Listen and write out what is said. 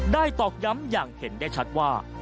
ตอกย้ำอย่างเห็นได้ชัดว่า